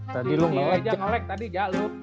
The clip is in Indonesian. tadi lu ngelag ya ngelag tadi ja lu